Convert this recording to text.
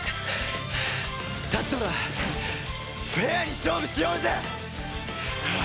だったらフェアに勝負しようぜ！